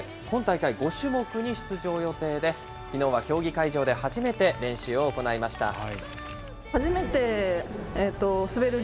今大会、５種目に出場予定で、きのうは競技会場で初めて練習を行いました。